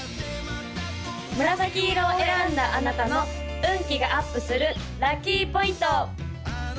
紫色を選んだあなたの運気がアップするラッキーポイント！